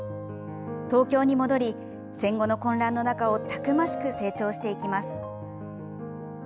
東京に戻り、戦後の混乱の中をたくましく成長していきます。